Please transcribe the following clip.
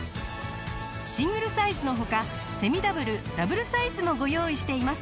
シングルサイズの他セミダブルダブルサイズもご用意しています。